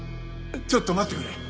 ちょっと待ってくれ。